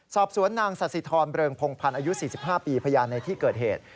สอบสวนนางสสิทรเริงพงพันธ์อายุ๔๕ปีพยานในที่เกิดเหตุ